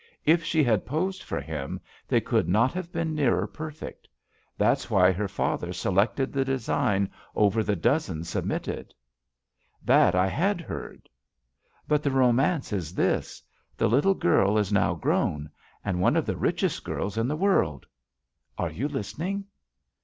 If she had posed for him, they could not have been nearer perfect. That's why her father selected the design over the dozens sub mitted." "That I had heard." "But the romance is this: the little girl is now grown, and one of the richest girls in the world — are you listening?"